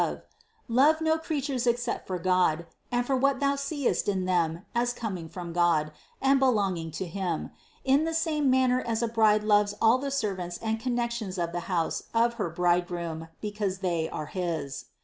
Love no creatures ex cept for God, and for what thou seest in them as coming from God and belonging to Him, in the same manner as a bride loves all the servants and connections of the house of her bridegroom because they are his.